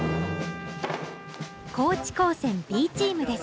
高知高専Ｂチームです